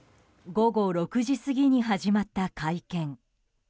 午後６時過ぎに始まった会見。